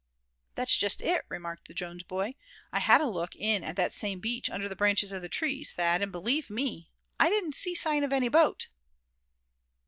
"That's just it," remarked the Jones boy; "I had a look in at that same beach under the branches of the trees, Thad; and believe me, I didn't see a sign of any boat!"